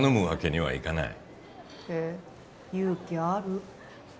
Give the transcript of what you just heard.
へえ勇気ある。